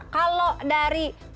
kalau dari warga jakarta